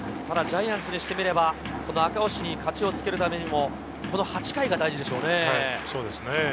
ただジャイアンツにしてみれば、赤星に勝ちをつけるためにも８回が大事でしょうね。